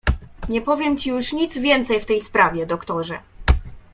"Nie powiem ci już nic więcej w tej sprawie, doktorze."